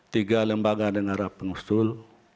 tiga lembaga dengara pengusul